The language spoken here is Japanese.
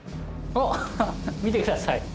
あっ見てください